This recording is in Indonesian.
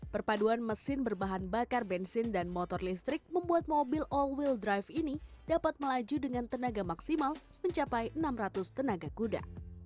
perpaduan mesin berbahan bakar bensin dan motor listrik membuat mobil all will drive ini dapat melaju dengan tenaga maksimal mencapai enam ratus tenaga kuda